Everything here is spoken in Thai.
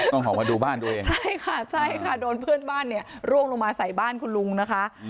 ต้องขอมาดูบ้านดูเองใช่ค่ะโดนเพื่อนบ้านเนี่ยล่วงลงมาใส่บ้านคุณลุงนะคะ